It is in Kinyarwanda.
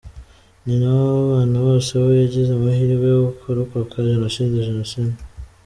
Nyina w’aba bana bose we yagize amahirwe yo kurokoka Jenoside Jenoside.